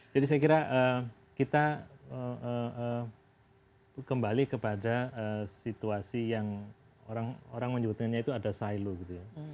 jadi saya kira kita kembali kepada situasi yang orang menyebutkannya itu ada silo gitu ya